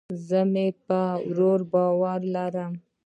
زه مې په خپل ورور باور لرم